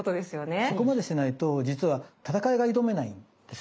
そこまでしないと実は戦いが挑めないんですよ。